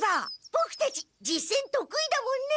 ボクたち実戦とくいだもんね。